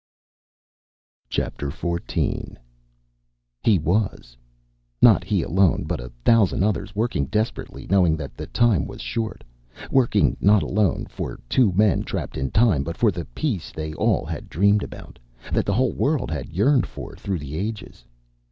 XIV He was. Not he alone, but a thousand others, working desperately, knowing that the time was short, working not alone for two men trapped in time, but for the peace they all had dreamed about that the whole world had yearned for through the ages.